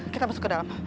kita masuk ke dalam